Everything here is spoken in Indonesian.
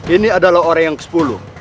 ini adalah orang yang ke sepuluh